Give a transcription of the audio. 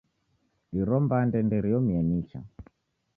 Iro mbande nderiomie nicha.